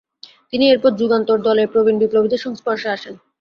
তিনি এরপর যুগান্তর দলের প্রবীণ বিপ্লবীদের সংস্পর্শে আসেন।